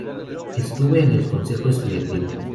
Estuve en el consejo estudiantil.